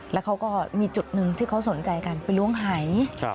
แล้วเขาก็มีจุดหนึ่งที่เขาสนใจกันไปล้วงหาย